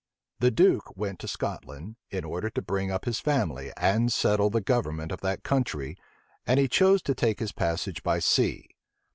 The duke went to Scotland, in order to bring up his family, and settle the government of that country; and he chose to take his passage by sea.